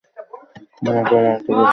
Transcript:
আমি ওকে মন থেকে সরাতে পারছি না।